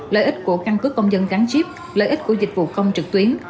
lợi ích của căn cứ công dân gắn chip lợi ích của dịch vụ công trực tuyến